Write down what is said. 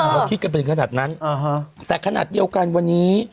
เราคิดกันไปถึงขนาดนั้นแต่ขนาดเดียวกันวันนี้